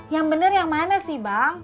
yang benar yang mana sih bang